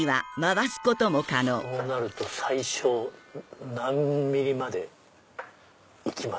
そうなると最小何ｍｍまで行きますかね？